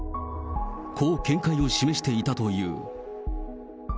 こう見解を示していたという。